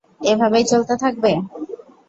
এভাবেই চলতে থাকবে?